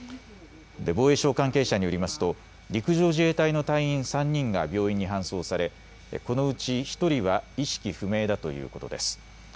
防衛省関係者によりますと陸上自衛隊の隊員３人が病院に搬送されこのうち１人は意識不明だということです。